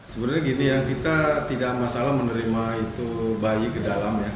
sebenarnya gini yang kita tidak masalah menerima itu bayi ke dalam ya